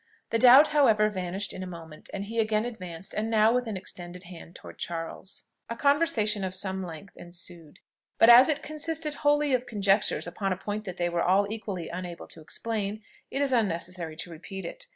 The doubt, however, vanished in a moment, and he again advanced, and now with an extended hand towards Charles. A conversation of some length ensued; but as it consisted wholly of conjectures upon a point that they were all equally unable to explain, it is unnecessary to repeat it.